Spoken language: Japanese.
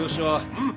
うん。